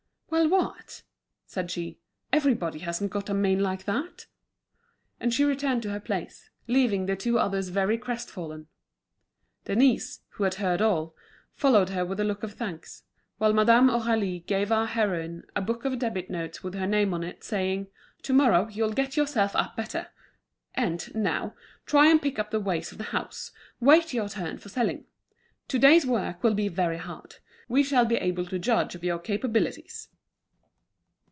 "Well, what?" said she. "Everybody hasn't got a mane like that!" And she returned to her place, leaving the two others very crestfallen. Denise, who had heard all, followed her with a look of thanks, while Madame Aurélie gave our heroine a book of debit notes with her name on it, saying: "To morrow you'll get yourself up better; and, now, try and pick up the ways of the house, wait your turn for selling. To day's work will be very hard; we shall be able to judge of your capabilities."